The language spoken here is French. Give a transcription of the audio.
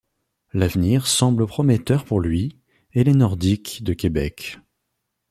L’avenir semble prometteur pour lui et les Nordiques de Québec.